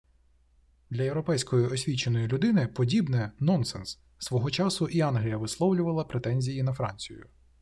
Для європейськи освіченої людини подібне – нонсенс! Свого часу і Англія висловлювала претензії на Францію